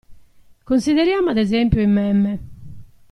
Consideriamo ad esempio i meme.